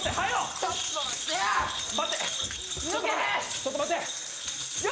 ちょっと待ってや！